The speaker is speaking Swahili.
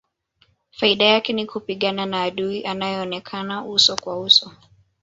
Faida yake ni kupigana na adui anayeonekana uso kwa uso